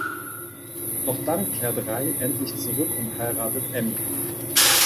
Doch dann kehrt Raj endlich zurück und heiratet Annie.